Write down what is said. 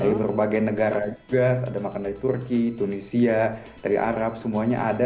dari berbagai negara gas ada makanan dari turki tunisia dari arab semuanya ada